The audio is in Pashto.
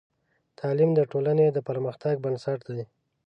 تعلیم د ټولنې د پرمختګ بنسټ دی.